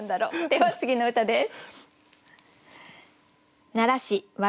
では次の歌です。